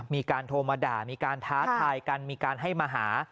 มีการโทรมาด่ามีการท้าทายกันมีการให้มาหา